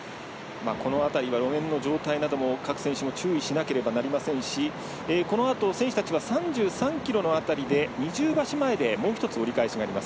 この辺りは路面の状態など各選手が注意しなければなりませんしこのあと選手たちは３３ｋｍの辺りで二重橋前でもう１つ折り返しがあります。